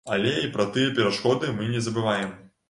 Але і пра тыя перашкоды мы не забываем.